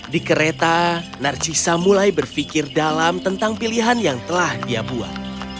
di kereta narcisa mulai berpikir dalam tentang pilihan yang telah dia buat